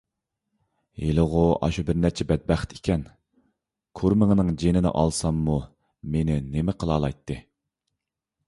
ھېلىغۇ ئاشۇ بىرنەچچە بەتبەخت ئىكەن، كۈرمىڭىنىڭ جېنىنى ئالساممۇ مېنى نېمە قىلالايتتى؟